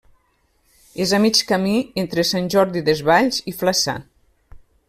És a mig camí entre Sant Jordi Desvalls i Flaçà.